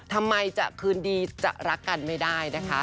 ทำไมจะคืนดีจะรักกันไม่ได้นะคะ